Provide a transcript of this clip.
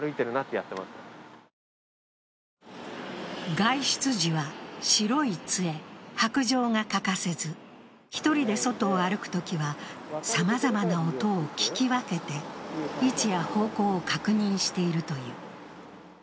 外出時は白杖が欠かせず、１人で外を歩くときはさまざまな音を聞き分けて位置や方向を確認しているという。